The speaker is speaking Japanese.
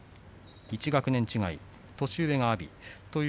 １学年違い年上が、阿炎です。